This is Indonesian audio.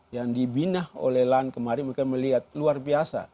yang dibina oleh lan kemari mereka melihat luar biasa